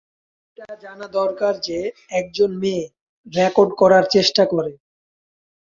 এটা জানা দরকার যে, একজন মেয়ে রেকর্ড করার চেষ্টা করে।